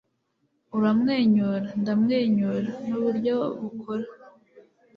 Uramwenyura, ndamwenyura. Nuburyo bukora.